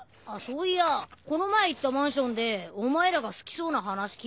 そういやこの前行ったマンションでお前らが好きそうな話聞いたぜ。